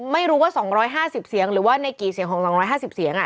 ไม่รู้ว่า๒๕๐เสียงหรือว่าในกี่เสียงของ๒๕๐เสียง